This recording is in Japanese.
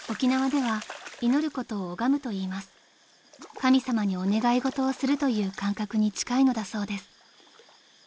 ［神様にお願い事をするという感覚に近いのだそうです］